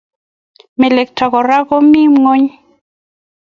Melekto Kora ko mi ngweny